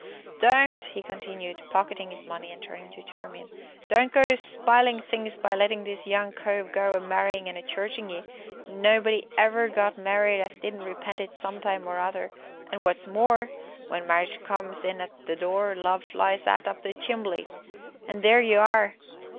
"Don't," he continued, pocketing the money, and turning to Charmian, "don't go spilin' things by lettin' this young cove go a marryin' an' a churchin' ye nobody never got married as didn't repent it some time or other, an' wot's more, when Marriage comes in at the door, Love flies out up the chimbley an' there y'are!